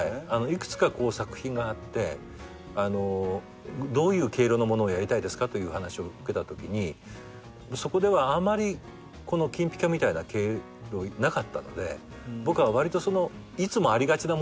幾つか作品があってどういう毛色のものをやりたいですかという話を受けたときにそこではあまりこの『きんぴか』みたいな毛色なかったので僕はわりと。